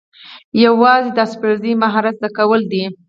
یوازې د پخلي مهارت زده کول دي